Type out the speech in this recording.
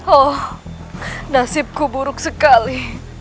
oh nasibku buruk sekali